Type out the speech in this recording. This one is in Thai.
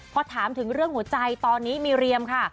พอถามถึงเรื่องหัวใจตอนนี้มีเรียมค่ะ